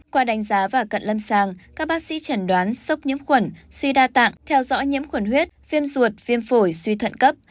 qua đánh giá và cận lâm sàng các bác sĩ chẩn đoán sốc nhiễm khuẩn suy đa tạng theo dõi nhiễm khuẩn huyết viêm ruột viêm phổi suy thận cấp